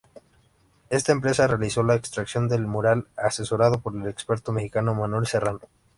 Esta empresa realizó la extracción del mural, asesorados por el experto mexicano Manuel Serrano.